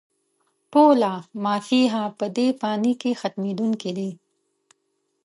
ټوله «ما فيها» په دې فاني کې ختمېدونکې ده